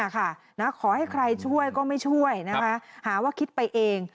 ขอให้ใครช่วยก็ไม่ช่วยหาว่าคิดไปเอง